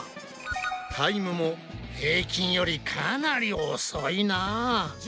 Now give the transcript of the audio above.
タイムも平均よりかなり遅いな。